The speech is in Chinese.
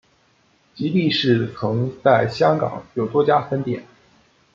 吉利市曾在香港有多家分店。